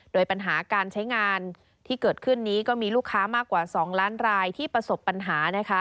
โดยปัญหาการใช้งานที่เกิดขึ้นนี้ก็มีลูกค้ามากกว่า๒ล้านรายที่ประสบปัญหานะคะ